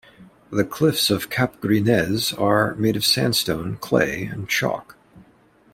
The cliffs of Cap Gris Nez are made of sandstone, clay and chalk.